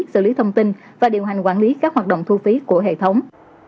xử lý thông tin và điều hành quản lý các hoạt động thu phí của hệ thống